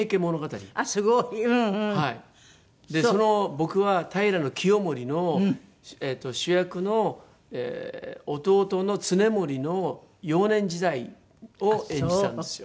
僕は平清盛の主役の弟の経盛の幼年時代を演じたんですよ。